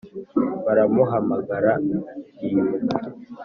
baramuhamagara ntiyumve